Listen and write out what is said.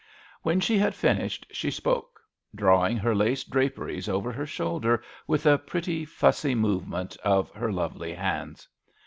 When she had finished, she spoke, drawing her lace draperies over her shoulder with a pretty fussy movement of her lovely hands.